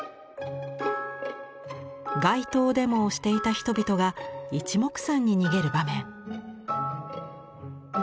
街頭デモをしていた人々がいちもくさんに逃げる場面。